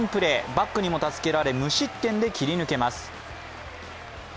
バックにも助けられ、無失点で切り抜けます。